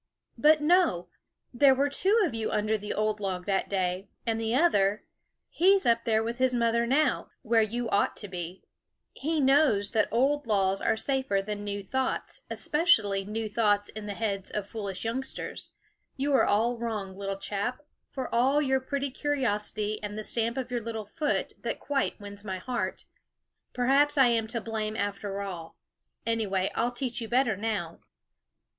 "But no! there were two of you under the old log that day; and the other, he's up there with his mother now, where you ought to be, he knows that old laws are safer than new thoughts, especially new thoughts in the heads of foolish youngsters. You are all wrong, little chap, for all your pretty curiosity, and the stamp of your little foot that quite wins my heart. Perhaps I am to blame, after all; anyway, I'll teach you better now."